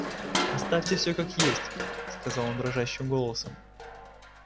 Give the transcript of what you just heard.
Оставьте всё как есть, — сказал он дрожащим голосом.